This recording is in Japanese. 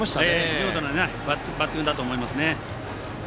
見事なバッティングだと思います。